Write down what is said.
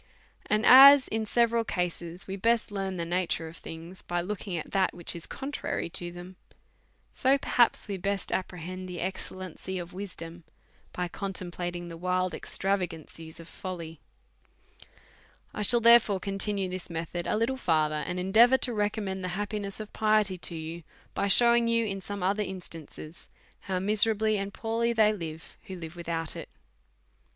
And as in several cases we best ]earn the nature of things by looking at that which is contrary to them^ so perhaps we best com prehend the excellency of wisdom by contemplating the wild extravagances of folly. I shall, therefore, continue this method a little fur ther, and endeavour to recommend the happiness of piety to you, by shewing you, in some othei* instan ces, how miserably and poorly they live who live with out it.